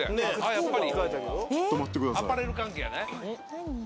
やっぱり。